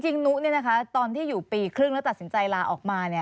นุตอนที่อยู่ปีครึ่งแล้วตัดสินใจลาออกมา